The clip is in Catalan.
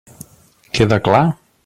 Queda clar?